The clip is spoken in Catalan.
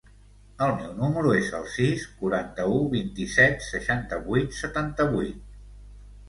El meu número es el sis, quaranta-u, vint-i-set, seixanta-vuit, setanta-vuit.